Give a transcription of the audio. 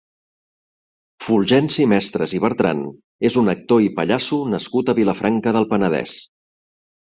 Fulgenci Mestres i Bertran és un actor i pallasso nascut a Vilafranca del Penedès.